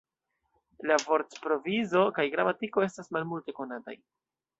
La vortprovizo kaj gramatiko estas malmulte konataj.